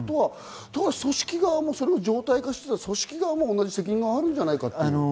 組織側も常態化していたら同じ責任があるんじゃないかというね。